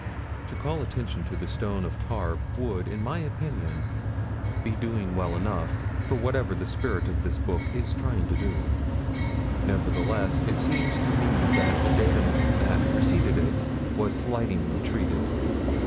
To call attention to the stone of Tarbes would, in my opinion, be doing well enough, for whatever the spirit of this book is trying to do. Nevertheless, it seems to me that a datum that preceded it was slightingly treated.